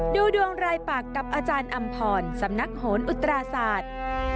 ดูดวงรายปากกับอาจารย์อำพรสำนักโหนอุตราศาสตร์